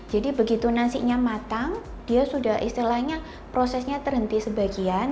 jadi begitu nasinya matang dia sudah istilahnya prosesnya terhenti sebagian